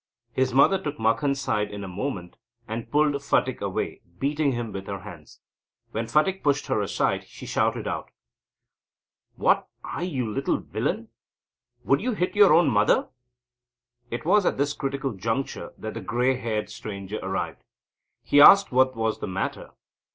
His mother took Makhan's side in a moment, and pulled Phatik away, beating him with her hands. When Phatik pushed her aside, she shouted out: "What I you little villain! would you hit your own mother?" It was just at this critical juncture that the grey haired stranger arrived. He asked what was the matter.